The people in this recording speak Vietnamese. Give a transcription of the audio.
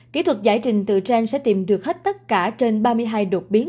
kỹ thuật giải trình từ trang sẽ tìm được hết tất cả trên ba mươi hai đột biến